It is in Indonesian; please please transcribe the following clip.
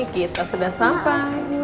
kita sudah sampai